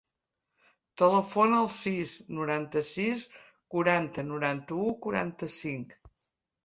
Telefona al sis, noranta-sis, quaranta, noranta-u, quaranta-cinc.